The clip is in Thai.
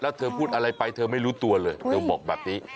แล้วเธอพูดอะไรไปเธอไม่รู้ตัวเลยเธอบอกแบบนี้